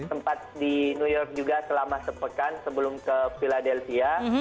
sempat di new york juga selama sepekan sebelum ke philadelphia